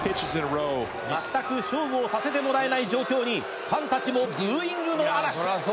まったく勝負をさせてもらえない状況にファンたちもブーイングの嵐。